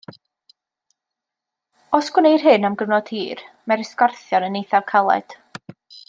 Os gwneir hyn am gyfnod hir, mae'r ysgarthion yn eithaf caled.